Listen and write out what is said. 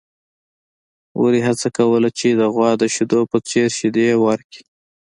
وري هڅه کوله چې د غوا د شیدو په څېر شیدې ورکړي.